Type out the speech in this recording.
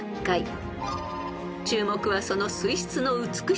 ［注目はその水質の美しさ］